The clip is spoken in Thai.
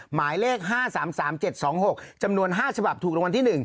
หมายเลข๕๓๓๗๒๖จำนวน๕ฉบับถูกรางวัลที่๑